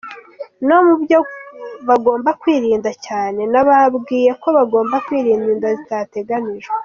No mu byo bagomba kwirinda cyane nababwiye ko bagomba kwirinda inda zitateganyijwe.